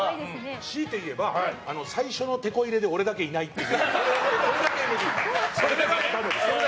しいて言えば最初のテコ入れで俺だけいないっていう。